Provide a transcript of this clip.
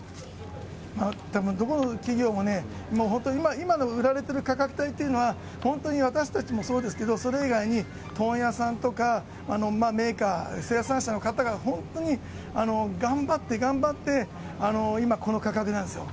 たぶん、どこの企業も、もう本当に、今の売られている価格帯というのは、本当に私たちもそうですけど、それ以外に、問屋さんとかメーカー、生産者の方が本当に頑張って頑張って、今、この価格なんですよ。